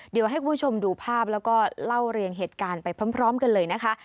เดี๋ยวให้คุณผู้ชมดูภาพแล้วก็เล่าเรียงเหตุการณ์ไปพร้อมกันเลยนะคะ